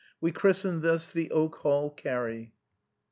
We christened this the Oak Hall carry.